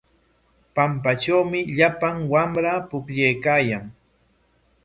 Pampatrawmi llapan wamra pukllaykaayan.